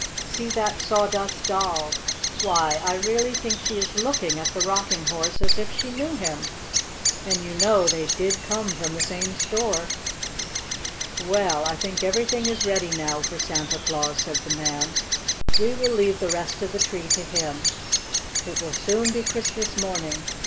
See that Sawdust Doll! Why, I really think she is looking at the Rocking Horse as if she knew him! And you know they did come from the same store." "Well, I think everything is ready now for Santa Claus," said the man. "We will leave the rest of the tree to him. It will soon be Christmas morning.